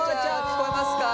聞こえますか？